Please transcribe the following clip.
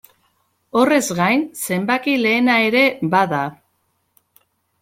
Horrez gain, zenbaki lehena ere bada.